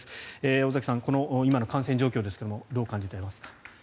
尾崎さん、今の感染状況ですがどう感じていますか？